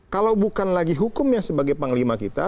kalau bukan lagi hukum yang sebagai panglima kita